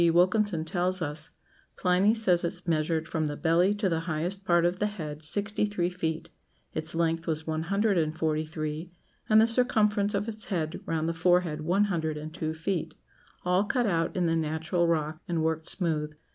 Wilkinson tells us, 'Pliny says it measured from the belly to the highest part of the head sixty three feet; its length was one hundred and forty three; and the circumference of its head round the forehead one hundred and two feet; all cut out in the natural rock, and worked smooth.'